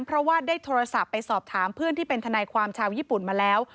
เพราะว่าได้โทรศัพท์ไปสอบถามเพื่อนที่เป็นทนายความชาวญี่ปุ่นมาแล้ว